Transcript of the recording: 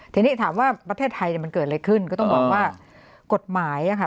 ทีนี้ถามว่าประเทศไทยมันเกิดอะไรขึ้นก็ต้องบอกว่ากฎหมายค่ะ